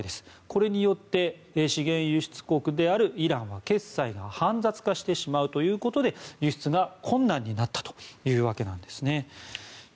これによって資源輸出国であるイランは決済が煩雑化してしまうということで輸出が困難になったというわけなんですね。